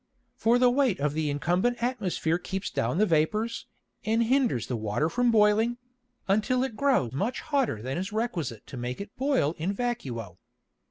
For the weight of the incumbent Atmosphere keeps down the Vapours, and hinders the Water from boiling, until it grow much hotter than is requisite to make it boil in vacuo.